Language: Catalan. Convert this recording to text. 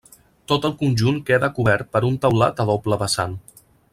Tot el conjunt queda cobert per un teulat a doble vessant.